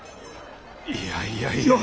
いやいやいやいや。